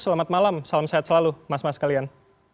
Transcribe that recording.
selamat malam salam sehat selalu mas mas kalian